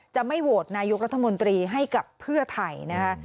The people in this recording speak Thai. จะไม่โหวตนายกรัฐมนตรีให้กับเพื่อไทยนะคะ